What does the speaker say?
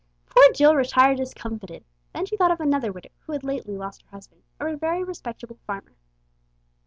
Poor Jill retired discomfited. Then she thought of another widow who had lately lost her husband, a very respectable farmer.